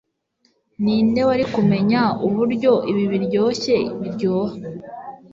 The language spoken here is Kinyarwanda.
ninde wari kumenya uburyo ibi biryoshye biryoha